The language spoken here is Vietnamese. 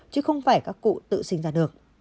chứ không phải các cụ tự sinh